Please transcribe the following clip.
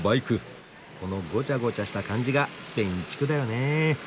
このゴチャゴチャした感じがスペイン地区だよね。